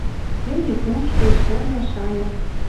Тенге кушкеш, шӓрлӓ шая.